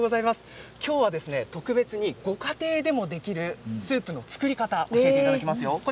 きょうは特別にご家庭でもできるスープの作り方を教えていただきますよ。